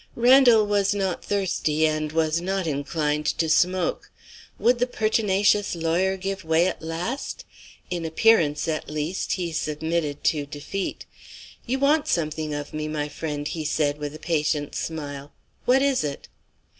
Randal was not thirsty, and was not inclined to smoke. Would the pertinacious lawyer give way at last? In appearance, at least, he submitted to defeat. "You want something of me, my friend," he said, with a patient smile. "What is it?"